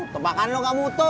tebakan lu gak mutu